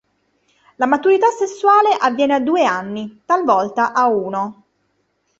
La maturità sessuale avviene a due anni, talvolta a uno.